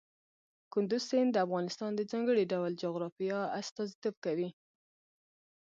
کندز سیند د افغانستان د ځانګړي ډول جغرافیه استازیتوب کوي.